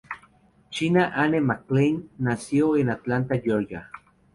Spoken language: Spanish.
China Anne McClain nació en Atlanta, Georgia.